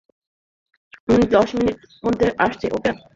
আমি দশ মিনিটের মধ্যে আসছি, ওকে?